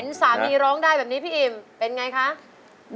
นักสู้ชีวิตแต่ละคนก็ฝ่าภันและสู้กับเพลงนี้มากก็หลายรอบ